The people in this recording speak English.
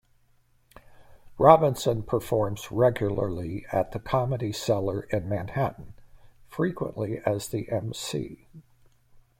Robinson performs regularly at the Comedy Cellar in Manhattan, frequently as the emcee.